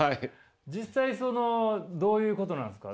実際そのどういうことなんですか？